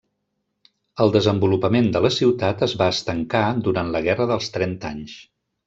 El desenvolupament de la ciutat es va estancar durant la Guerra dels Trenta Anys.